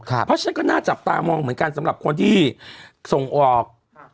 เพราะฉะนั้นก็น่าจับตามองเหมือนกันสำหรับคนที่ส่งออก